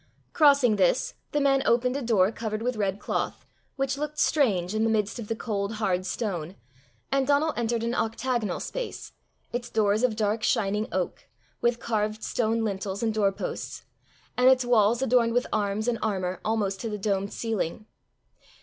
Crossing this, the man opened a door covered with red cloth, which looked strange in the midst of the cold hard stone, and Donal entered an octagonal space, its doors of dark shining oak, with carved stone lintels and doorposts, and its walls adorned with arms and armour almost to the domed ceiling.